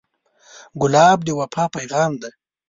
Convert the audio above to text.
ګلاب د وفا پیغام دی.